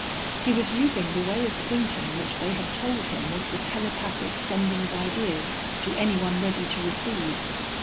He was using the way of thinking which they had told him was the telepathic sending of ideas to anyone ready to receive.